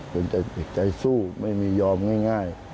เป็นใจสู้ไม่มียอมง่าย